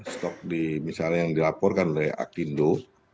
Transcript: stok misalnya yang dilaporkan oleh akindo